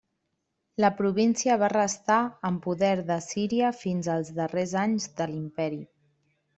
La província va restar en poder d'Assíria fins als darrers anys de l'imperi.